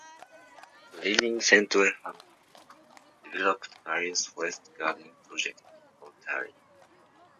The Living Centre have developed various forest garden projects in Ontario.